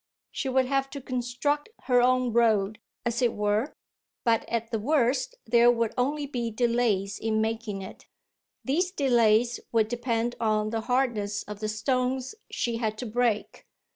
She would have to construct her own road, as it were, but at the worst there would only be delays in making it. These delays would depend on the hardness of the stones she had to break.